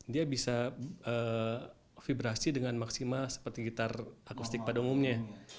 dia bisa vibrasi dengan maksimal seperti gitar akustik pada umumnya